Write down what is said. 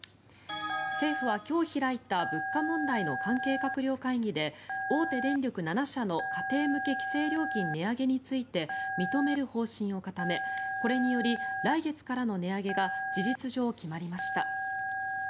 政府は今日開いた物価問題の関係閣僚会議で大手電力７社の家庭向け規制料金値上げについて認める方針を固めこれにより来月からの値上げが事実上決まりました。